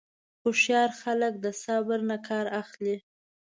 هوښیار خلک د صبر نه کار اخلي.